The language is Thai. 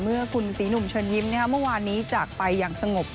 เมื่อคุณศรีหนุ่มเชิญยิ้มเมื่อวานนี้จากไปอย่างสงบ